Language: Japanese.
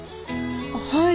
はい。